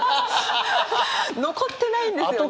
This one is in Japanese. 残ってないんですよね。